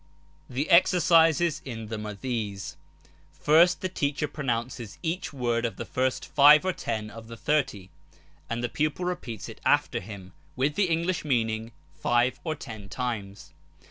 The exercises in them are these :— first the teacher pro nounces each word of the first five or ten. of the thirty, and the pupil repeats it after him, with the English meaning, five or ten times.